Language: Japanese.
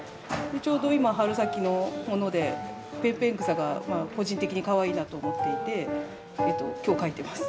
ちょうど今春先のものでペンペン草が個人的にかわいいなと思っていて今日描いてます。